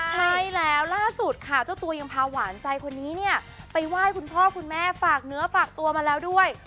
ใช่แล้วล่าสุดค่ะเจ้าตัวยังพาหวานใจคนนี้เนี่ยไปไหว้คุณพ่อคุณแม่ฝากเนื้อฝากตัวมาแล้วด้วย